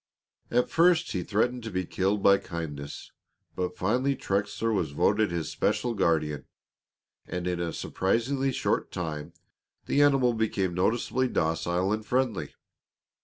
At first he threatened to be killed by kindness, but finally Trexler was voted his special guardian, and in a surprisingly short time the animal became noticeably docile and friendly.